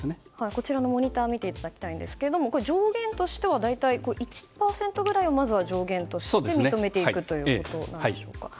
こちらのモニターを見ていただきたいんですが上限としては大体１％ぐらいをまずは上限として認めていくということなんでしょうか。